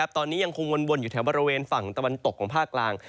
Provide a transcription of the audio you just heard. ตอนนี้ยังคงวนอยู่แถวบริเวณฝั่งตะวันตกของภาคกลาง